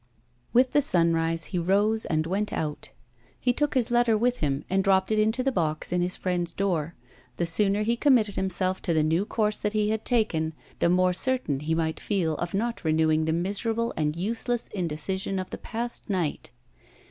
With the sunrise he rose and went out. He took his letter with him, and dropped it into the box in his friend's door. The sooner he committed himself to the new course that he had taken, the more certain he might feel of not renewing the miserable and useless indecision of the past night.